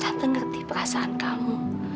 tante ngerti perasaan kamu